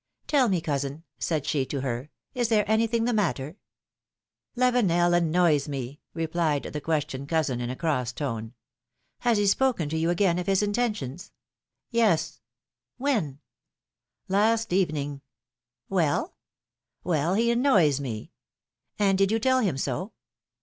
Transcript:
Tell me, cousin," said she to her, is there anything the matter ?" Lavenel annoys me," replied the questioned cousin in a cross tone. Has he spoken to you again of his intentions?" ^^Yes." ^^When?" 94 philom^:ne's marbiages. Last evenlng.^^ Well, he annoys me !" And did yon tell him so?